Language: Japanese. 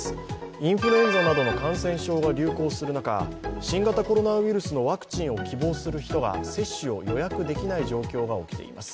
インフルエンザなどの感染症が流行する中、新型コロナウイルスのワクチンを希望する人が接種を予約できない状況が起きています。